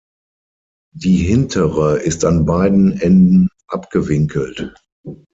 Die hintere ist an beiden Enden abgewinkelt.